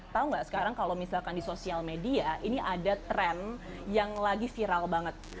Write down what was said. tahu nggak sekarang kalau misalkan di sosial media ini ada tren yang lagi viral banget